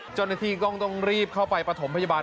เจ้าหน้าที่ก็ต้องรีบเข้าไปประถมพยาบาล